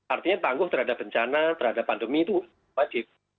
artinya tangguh terhadap bencana terhadap pandemi itu wajib